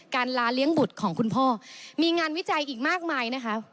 ลาเลี้ยงบุตรของคุณพ่อมีงานวิจัยอีกมากมายนะคะ